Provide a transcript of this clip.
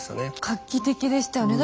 画期的でしたよね。